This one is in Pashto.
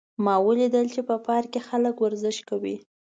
ما ولیدل چې په پارک کې خلک ورزش کوي